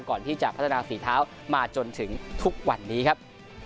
ก่อนที่จะพัฒนาฝีเท้ามาจนถึงทุกวันนี้ครับ